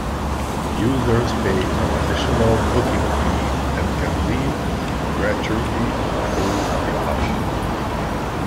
Users pay an additional booking fee and can leave a gratuity through the app.